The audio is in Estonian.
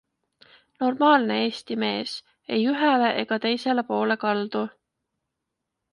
Normaalne Eesti mees, ei ühele ega teisele poole kaldu.